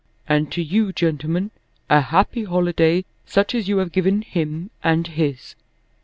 And to you, gentlemen, a happy holiday such as you have given him and his!